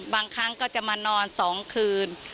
บางครั้งก็จะมานอน๒คืน